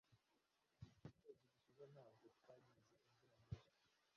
Mu kwezi gushize ntabwo twagize imvura nyinshi